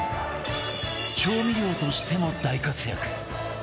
調味料としても大活躍！